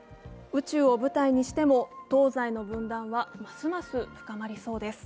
宇宙を舞台にしても、東西の分断はますます深まりそうです。